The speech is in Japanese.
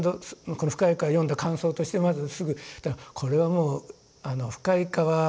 この「深い河」を読んだ感想としてまずすぐこれはもう「深い河」